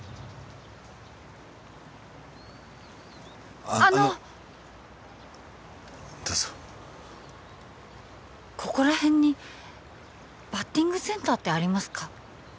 あのあのどうぞここら辺にバッティングセンターってありますか？